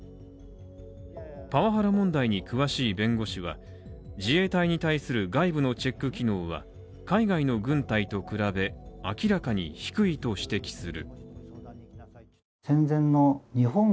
パワハラ問題に詳しい弁護士は、自衛隊に対する外部のチェック機能は海外の軍隊と比べ明らかに低いと指摘する。